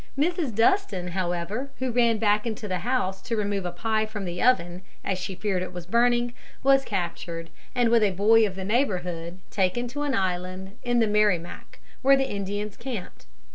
Mrs. Dustin, however, who ran back into the house to remove a pie from the oven as she feared it was burning, was captured, and, with a boy of the neighborhood, taken to an island in the Merrimac, where the Indians camped.